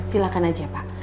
silahkan aja pak